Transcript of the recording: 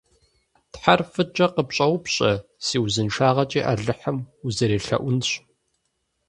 Тхьэр фӀыкӀэ къыпщӀэупщӀэ, – си узыншагъэкӀи Алыхьым узэрелъэӀунщ.